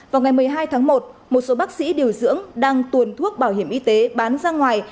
vào ngày một mươi hai tháng một một số bác sĩ điều dưỡng đang tuồn thuốc bảo hiểm y tế bán ra ngoài